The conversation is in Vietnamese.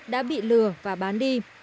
đã bị lừa và bán đi